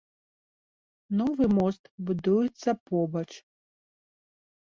Новы мост будуецца побач.